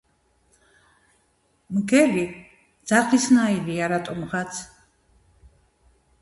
მგელი ძაღლის ნაირია რატომღაც